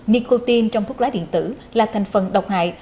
nicotine trong thuốc lá điện tử là thành phần độc hại